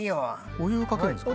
お湯をかけるんですか？